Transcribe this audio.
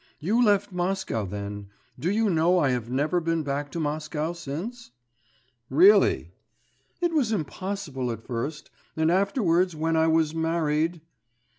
You left Moscow then.... Do you know I have never been back to Moscow since!' 'Really?' 'It was impossible at first; and afterwards when I was married